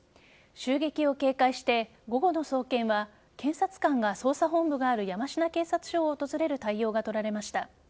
襲撃を警戒して午後の送検は検察官が捜査本部がある山科警察署を訪れる対応が取られました。